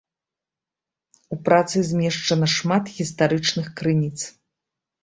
У працы змешчана шмат гістарычных крыніц.